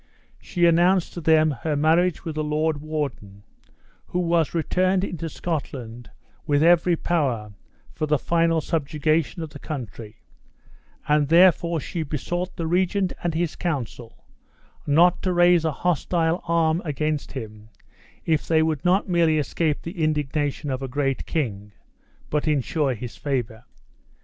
She announced to them her marriage with the lord warden, who was returned into Scotland with every power for the final subjugation of the country; and therefore she besought the regent and his council, not to raise a hostile arm against him if they would not merely escape the indignation of a great king, but insure his favor.